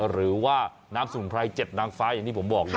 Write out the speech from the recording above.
หรือว่าน้ำสมุนไพร๗นางฟ้าอย่างที่ผมบอกเลย